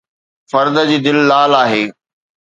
فرد جي دل لال آهي